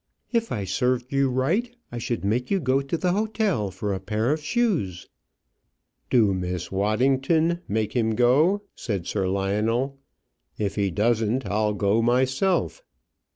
"If I served you right, I should make you go to the hotel for a pair of shoes." "Do, Miss Waddington; make him go," said Sir Lionel. "If he doesn't, I'll go myself."